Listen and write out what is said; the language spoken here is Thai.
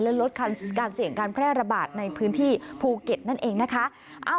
และลดการเสี่ยงการแพร่ระบาดในพื้นที่ภูเก็ตนั่นเองนะคะ